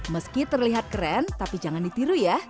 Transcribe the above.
meski terlihat keren tapi jangan ditiru ya